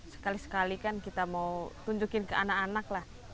sekali sekali kan kita mau tunjukin ke anak anak lah